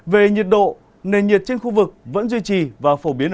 về nhiệt độ nền nhiệt trên khu vực vẫn duy trì và phổ biến